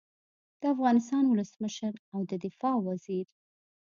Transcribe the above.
د افغانستان ولسمشر او د دفاع وزیر